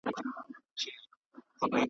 ویاړلی بیرغ .